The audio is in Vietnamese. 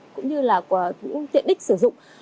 cũng như là của những tiện đích sử dụng